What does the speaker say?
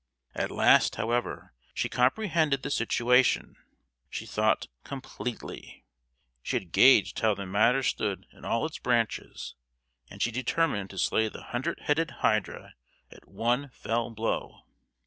At last, however, she comprehended the situation, she thought, completely. She had gauged how the matter stood in all its branches, and she determined to slay the hundred headed hydra at one fell blow!